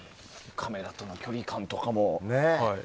カメラとの距離感とかも。